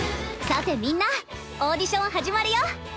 さてみんなオーディション始まるよ。